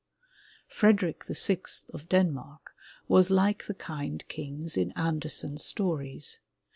Frederick VI of Denmark was like the kind kings in Andersen's stories.